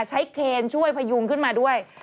เคนช่วยพยุงขึ้นมาด้วย